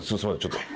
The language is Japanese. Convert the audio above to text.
ちょっと。